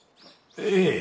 ええ。